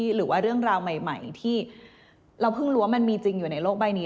หรือว่าเรื่องราวใหม่ที่เราเพิ่งรู้ว่ามันมีจริงอยู่ในโลกใบนี้